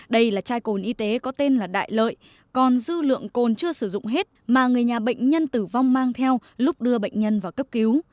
đây là chai cồn y tế có tên là đại lợi còn dư lượng cồn chưa sử dụng hết mà người nhà bệnh nhân tử vong mang theo lúc đưa bệnh nhân vào cấp cứu